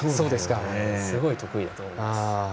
すごい得意だと思います。